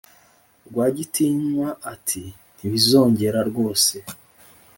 rwagitinywa ati"ntibizongera rwose"